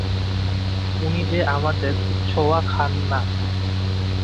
উনি যে আমাদের ছোঁওয়া খান না।